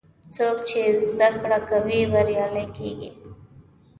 څوک چې زده کړه کوي، بریالی کېږي.